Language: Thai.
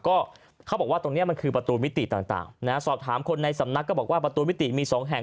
ก็เขาบอกว่าตรงนี้มันคือประตูมิติต่างสอบถามคนในสำนักก็บอกว่าประตูมิติมีสองแห่ง